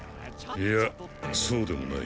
いやそうでもない。